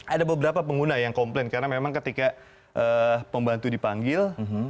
ada beberapa pengguna yang komplain karena memang ketika pembantu dipanggil